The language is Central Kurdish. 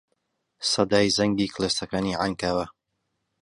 سەدای زەنگی کڵێسەکانی عەنکاوە